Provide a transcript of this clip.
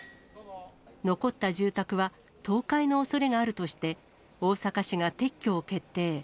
残った住宅は、倒壊のおそれがあるとして、大阪市が撤去を決定。